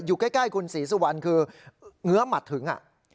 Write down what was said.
อยู่ใกล้คุณศรีสุวรรณคือเงื้อหมัดถึง